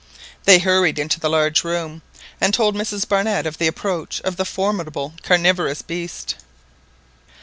They hurried into the large room, and told Mrs Barnett of the approach of the formidable carnivorous beast.